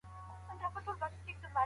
دا شل افغانۍ دي.